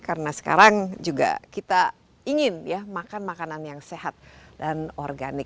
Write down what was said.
karena sekarang juga kita ingin makan makanan yang sehat dan organik